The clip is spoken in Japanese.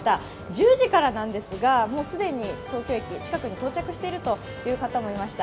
１０時からなんですが、もう既に東京駅、近くに到着しているという方もいました。